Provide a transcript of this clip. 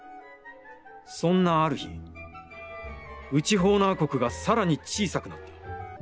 「そんなある日、内ホーナー国がさらに小さくなった。